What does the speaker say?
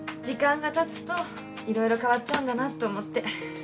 時間がたつと色々変わっちゃうんだなと思って。